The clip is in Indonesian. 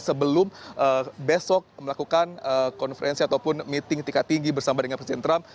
sebelum besok melakukan konferensi ataupun meeting tingkat tinggi bersama dengan presiden trump